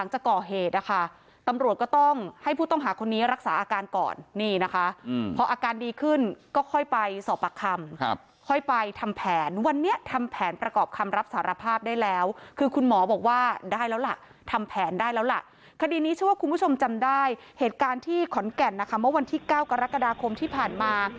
เหตุการณ์ที่ขอนแก่นเมื่อวันที่๙กรกฎาคมที่ผ่านมา